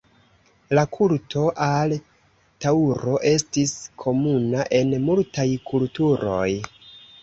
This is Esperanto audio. La kulto al taŭro estis komuna en multaj kulturoj.